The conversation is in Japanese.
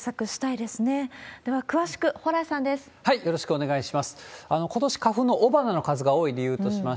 では詳しく、よろしくお願いします。